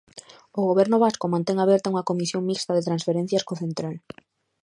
O Goberno vasco mantén aberta unha comisión mixta de transferencias co central.